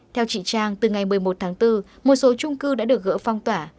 theo chị trang từ ngày một mươi một tháng bốn một số trung cư đã được gỡ phong tỏa